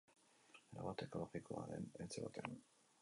Erabat ekologikoa den etxe batean.